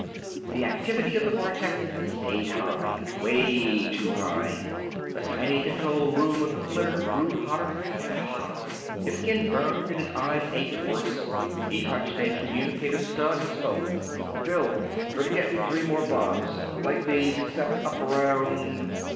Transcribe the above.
The activity of the vortex stayed high, 'way too high. The tiny control room of the flitter grew hotter and hotter. His skin burned and his eyes ached worse. He touched a communicator stud and spoke. "Phil? Better get me three more bombs. Like these, except up around...."